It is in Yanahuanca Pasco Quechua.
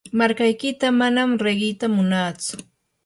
markaykita manam riqita munatsu.